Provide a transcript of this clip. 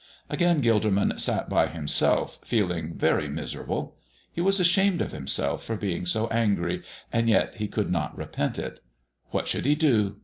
Again Gilderman sat by himself, feeling very miserable. He was ashamed of himself for being so angry, and yet he could not repent it. What should he do?